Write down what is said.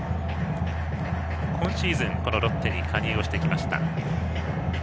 今シーズンロッテに加入をしてきました。